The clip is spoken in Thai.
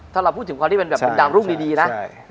ถ้าเราพูดถึงความที่เป็นดามรูปดีนะ